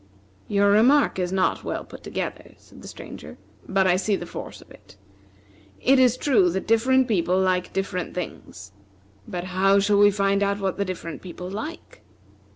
"Your remark is not well put together," said the Stranger, "but I see the force of it. It is true that different people like different things. But how shall we find out what the different people like?"